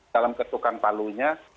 dalam ketukan balunya